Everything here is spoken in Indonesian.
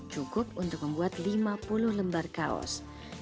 cukup untuk membuat lima puluh lembar kaos